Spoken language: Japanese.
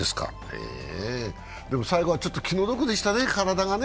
でも最後はちょっと気の毒でしたね、体がね。